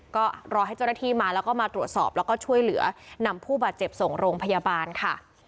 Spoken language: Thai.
ก็รอให้เจ้าหน้าที่มาแล้วก็มาตรวจสอบแล้วก็ช่วยเหลือนำผู้บาดเจ็บส่งโรงพยาบาลค่ะ